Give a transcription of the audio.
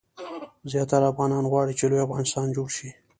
زیاتره افغانان غواړي چې لوی افغانستان جوړ شي.